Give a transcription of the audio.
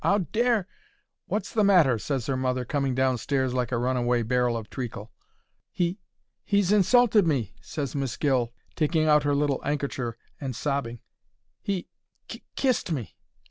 'Ow dare——" "Wot's the matter?" ses her mother, coming downstairs like a runaway barrel of treacle. "He—he's insulted me," ses Miss Gill, taking out her little 'ankercher and sobbing. "He—k kissed me!"